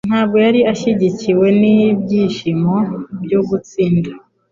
ntabwo yari ashyigikiwe n'ibyishimo byo gutsinda.